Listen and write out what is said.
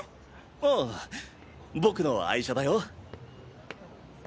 ああ僕の愛車だよ。